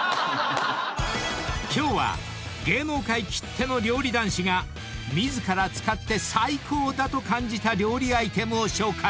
［今日は芸能界きっての料理男子が自ら使って最高だと感じた料理アイテムを紹介］